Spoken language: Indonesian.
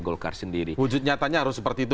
golkar sendiri wujud nyatanya harus seperti itu